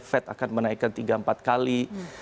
fed akan menaikkan tiga empat kali